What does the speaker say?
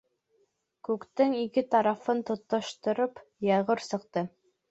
Күктең ике тарафын тоташтырып, йәйғор сыҡты.